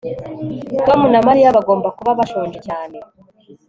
Tom na Mariya bagomba kuba bashonje cyane